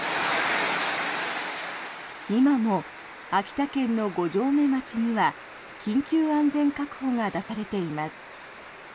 今も秋田県の五城目町には緊急安全確保が出されています。